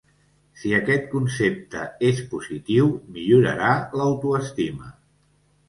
Si aquest concepte és positiu, millorarà l'autoestima.